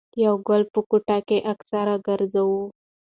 يو ګل په ګوتو کښې اکثر ګرځوو